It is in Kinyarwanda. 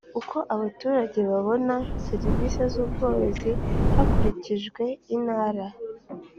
Uko abaturage babona serivisi z ubworozi hakurikijwe intara